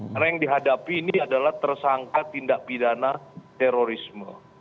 karena yang dihadapi ini adalah tersangka tindak pidana terorisme